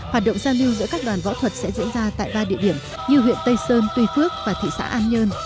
hoạt động giao lưu giữa các đoàn võ thuật sẽ diễn ra tại ba địa điểm như huyện tây sơn tuy phước và thị xã an nhơn